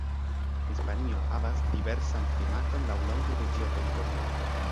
Hispanio havas diversan klimaton laŭlonge de ĝia teritorio.